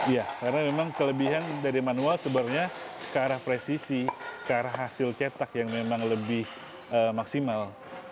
iya karena memang kelebihan dari manual sebenarnya ke arah presisi ke arah hasil cetak yang memang lebih maksimal